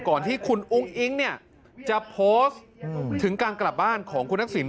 ก่อนที่คุณอุ้งอิ๊งเนี่ยจะโพสต์ถึงการกลับบ้านของคุณทักษิณ